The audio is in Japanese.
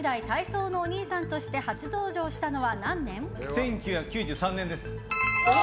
１９９３年です。